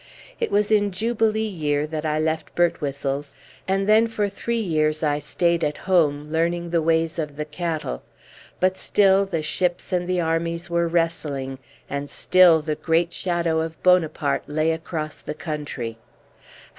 It was in Jubilee Year that I left Birtwhistle's, and then for three years I stayed at home learning the ways of the cattle; but still the ships and the armies were wrestling, and still the great shadow of Bonaparte lay across the country.